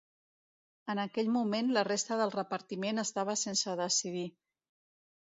En aquell moment, la resta del repartiment estava sense decidir.